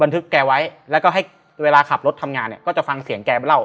ทึกแกไว้แล้วก็ให้เวลาขับรถทำงานเนี่ยก็จะฟังเสียงแกเล่า